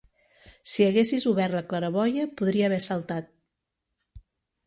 Si haguessis obert la claraboia, podria haver saltat.